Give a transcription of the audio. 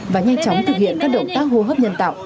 và nhanh chóng thực hiện các động tác hô hấp nhân tạo